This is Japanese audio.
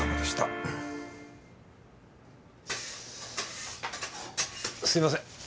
すみません